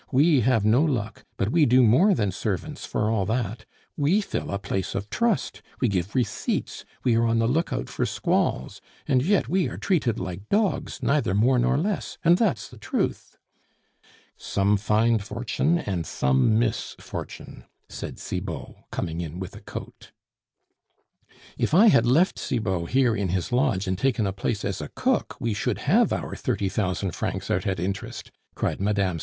We have no luck, but we do more than servants, for all that. We fill a place of trust; we give receipts, we are on the lookout for squalls, and yet we are treated like dogs, neither more nor less, and that's the truth!" "Some find fortune and some miss fortune," said Cibot, coming in with a coat. "If I had left Cibot here in his lodge and taken a place as cook, we should have our thirty thousand francs out at interest," cried Mme.